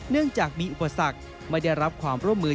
เนื่องจากมีอุปสรรคไม่ได้รับความร่วมมือ